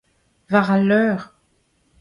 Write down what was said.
war al leur